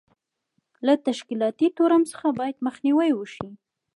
له تشکیلاتي تورم څخه باید مخنیوی وشي.